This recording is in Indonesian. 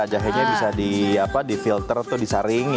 jahenya bisa di filter atau disaring